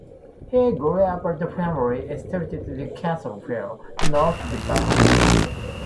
He grew up at the family estate at Castle Hill, North Devon.